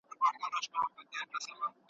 يو د بل عادات او مزاجونه سره معلوم سي.